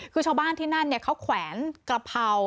คือชาวบ้านที่นั่นเขาแขวนกระเพรา